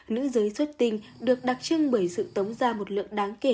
nữ giới xuất tinh được đặc trưng bởi sự tống ra một lượng đáng kể